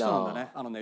あのね